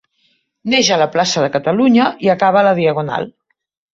Neix a la plaça de Catalunya i acaba a la Diagonal.